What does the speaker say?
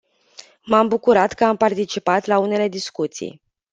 M-am bucurat că am participat la unele discuții.